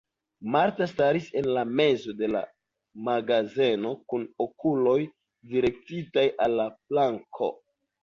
Marta staris en la mezo de la magazeno kun okuloj direktitaj al la planko.